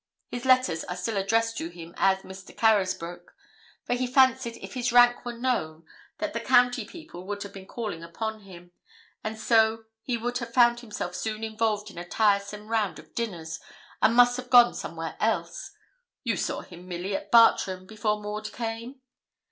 His letters are still addressed to him as Mr. Carysbroke; for he fancied if his rank were known, that the county people would have been calling upon him, and so he would have found himself soon involved in a tiresome round of dinners, and must have gone somewhere else. You saw him, Milly, at Bartram, before Maud came?'